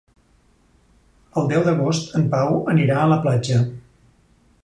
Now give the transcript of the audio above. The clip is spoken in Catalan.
El deu d'agost en Pau anirà a la platja.